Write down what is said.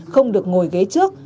không được ngồi ghế